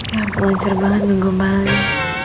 ya pengen cerbangan ngegombalin